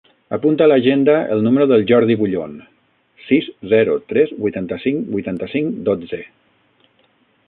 Apunta a l'agenda el número del Jordi Bullon: sis, zero, tres, vuitanta-cinc, vuitanta-cinc, dotze.